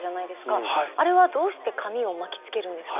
あれはどうして紙を巻きつけるんですか？